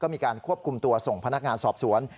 มีการควบคุมตัวส่งพนักงานสอบสวน